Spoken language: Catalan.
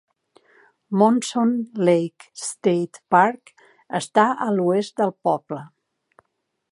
Monson Lake State Park està a l"oest del poble.